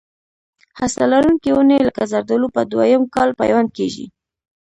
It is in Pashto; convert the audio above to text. هسته لرونکي ونې لکه زردالو په دوه یم کال پیوند کېږي.